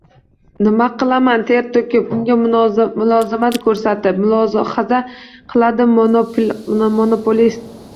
nima qilaman ter to‘kib unga mulozamat ko‘rsatib!?” – mulohaza qiladi monopolist.